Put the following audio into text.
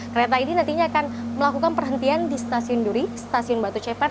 kereta ini nantinya akan melakukan perhentian di stasiun duri stasiun batu ceper